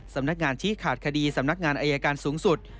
สำนักงานชี้ขาดคดีสำนักงานอายการสูงสุด